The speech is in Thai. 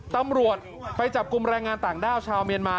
ตำรวจไปจับกลุ่มแรงงานต่างด้าวชาวเมียนมา